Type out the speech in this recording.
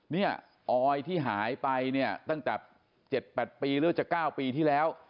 เนี่ยออยที่หายไปเนี่ยตั้งแต่๗๘ปีหรือว่าจะ๙ปีที่แล้ว